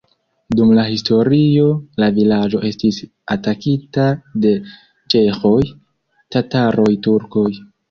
Dum la historio la vilaĝo estis atakita de ĉeĥoj, tataroj, turkoj.